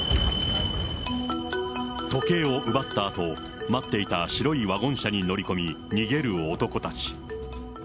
時計を奪ったあと、待っていた白いワゴン車に乗り込み、逃げる男たち。